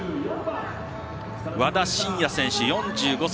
和田伸也選手、４５歳。